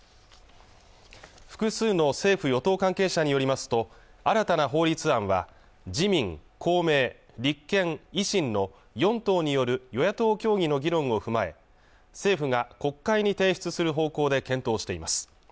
複数の政府・与党関係者によりますと新たな法律案は自民、公明、立憲、維新の４党による与野党協議の議論を踏まえ政府が国会に提出する方向で検討しています